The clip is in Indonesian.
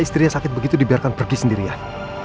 istri yang sakit begitu dibiarkan pergi sendirian